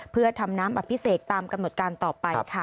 เพื่อทำน้ำอภิเษกตามกำหนดการต่อไปค่ะ